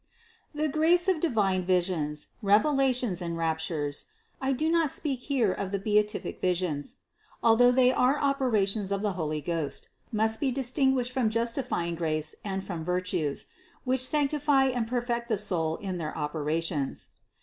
The grace of divine visions, revelations and rap tures, (I do not speak here of the beatific visions), al though they are operations of the Holy Ghost, must be distinguished from justifying grace and from virtues, which sanctify and perfect the soul in their operations.